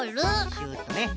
シュッとね。